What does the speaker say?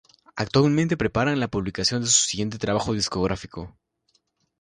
Actualmente preparan la publicación de su siguiente trabajo discográfico.